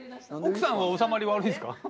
奥さんはおさまり悪いんすか？